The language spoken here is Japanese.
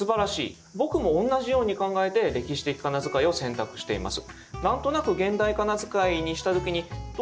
僕も同じように考えて歴史的仮名遣いを選択しています。